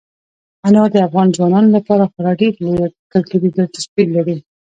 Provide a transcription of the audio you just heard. انار د افغان ځوانانو لپاره خورا ډېره لویه کلتوري دلچسپي لري.